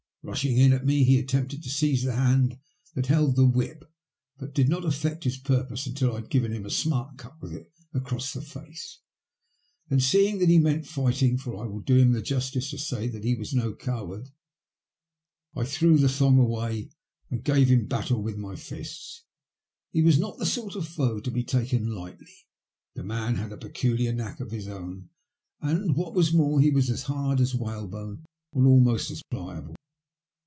Bushing in at me he attempted to seize the hand that held the whip, but he did not affect his purpose until I had given him a smart cut with it across the face. Then, seeing that he meant fighting, for I will do him the justice to say that he was no coward, I threw the thong away and gave him battle with my fists. He was not the sort of foe to be taken lightly. The man had a peculiar knack of his own, and, what was more, he was as hard as whalebone and almost as pliable.